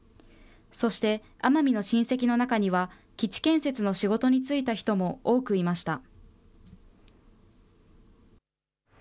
そして奄美の親戚の中には、基地建設の仕事に就いた人も多くいました。